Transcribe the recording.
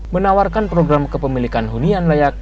menawarkan program kepemilikan hunian layak